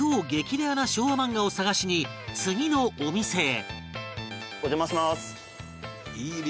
レアな昭和漫画を探しに次のお店へ